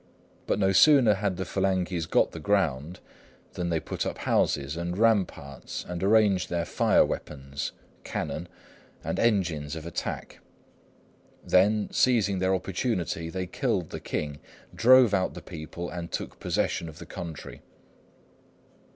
But no sooner had the Fulanghis got the ground than they put up houses and ramparts and arranged their fire weapons (cannon) and engines of attack. Then, seizing their opportunity, they killed the king, drove out the people, and took possession of the country."